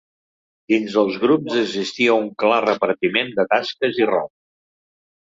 Dins els grups existia un clar repartiment de tasques i rols.